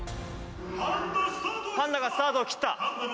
パンダがスタートを切った。